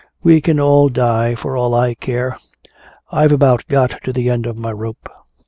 "We can all die for all I care! I've about got to the end of my rope!"